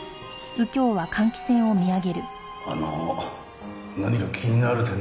あの何か気になる点でも？